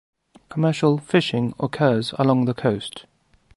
Commercial fishing occurs along the coast.